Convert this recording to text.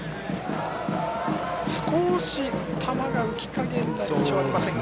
少し球が浮き加減な印象はありませんか。